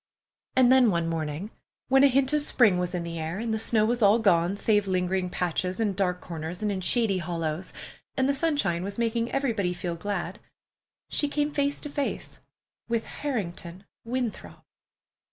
And then, one morning when a hint of spring was in the air, and the snow was all gone save lingering patches in dark corners and in shady hollows, and the sunshine was making everybody feel glad, she came face to face with Harrington Winthrop!